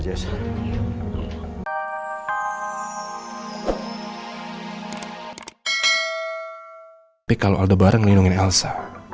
tapi kalau ada bareng lindungi elsa